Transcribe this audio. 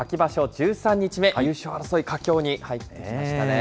１３日目、優勝争い、佳境に入ってきましたね。